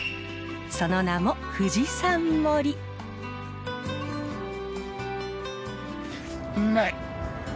その名もうまい！